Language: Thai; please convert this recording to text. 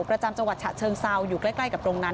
ประจำจังหวัดฉะเชิงเซาอยู่ใกล้กับตรงนั้น